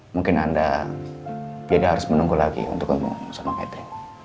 mungkin anda tidak harus menunggu lagi untuk hubungi catherine